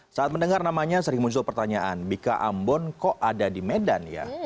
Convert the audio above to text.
saat mendengar namanya sering muncul pertanyaan bika ambon kok ada di medan ya